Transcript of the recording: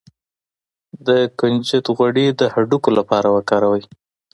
د کنجد غوړي د هډوکو لپاره وکاروئ